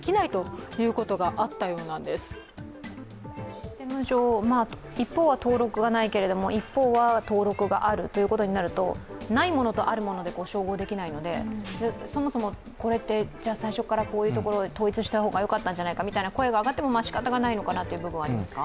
システム上、一方は登録がないけれども、一方は登録があるということになると、ないものとあるもので照合できないのでそもそもこれって、最初からこういうところは統一した方がよかったんじゃていかという声が上がってもしかたがないんじゃないですか。